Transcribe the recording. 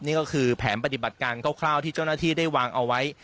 นี่ก็คือแผนปฏิบัติการคร่าวที่เจ้าหน้าที่ได้วางเอาไว้